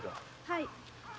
はい。